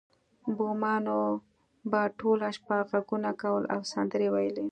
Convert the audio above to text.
بومانو به ټوله شپه غږونه کول او سندرې ویلې